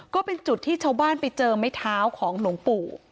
ก็เป็นจุดที่ชาวบ้านไปเจอไม้เท้าของหลวงปู่